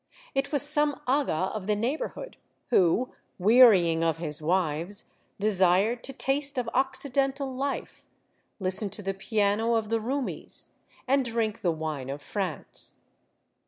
It was some aga of the neighborhood, who, wearying of his wives, desired to taste of oc cidental life, listen to the piano of the roumis, and drink the wine of France.